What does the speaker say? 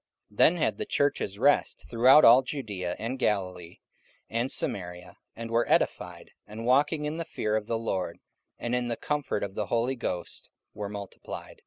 44:009:031 Then had the churches rest throughout all Judaea and Galilee and Samaria, and were edified; and walking in the fear of the Lord, and in the comfort of the Holy Ghost, were multiplied.